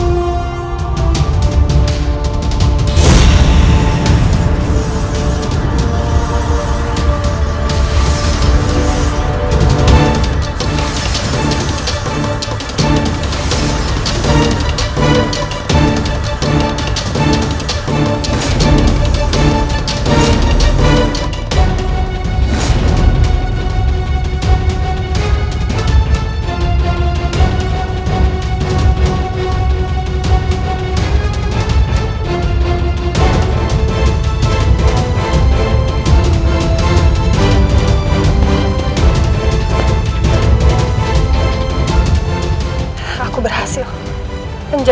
baik kita periksaitan ini